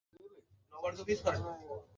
তোমাদের প্রতিপালক দয়াময়।